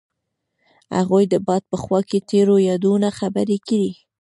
هغوی د باد په خوا کې تیرو یادونو خبرې کړې.